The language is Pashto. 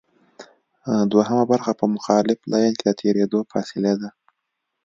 دوهمه برخه په مخالف لین کې د تېرېدو فاصله ده